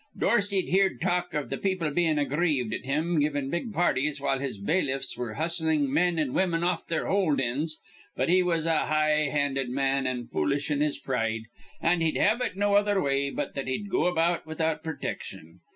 Dorsey'd heerd talk iv the people bein' aggrieved at him givin' big parties while his bailiffs were hustlin' men and women off their hold in's; but he was a high handed man, an' foolish in his pride, an' he'd have it no other way but that he'd go about without protection.